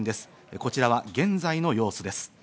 こちらは現在の様子です。